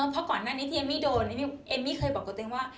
เพราะก่อนหน้านี้ที่เอมมี่โดนเอมมี่เคยบอกกับตัวเองว่า